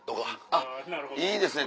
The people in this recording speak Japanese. あっいいですね